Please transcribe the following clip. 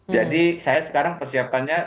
jadi saya sekarang persiapannya